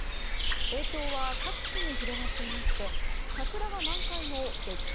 影響は各地に広がっていまして桜が満開の絶景